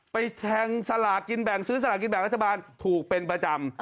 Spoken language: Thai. ไปแทงสลากินแบ่งซื้อสลากินแบ่งรัฐบาลถูกเป็นประจำ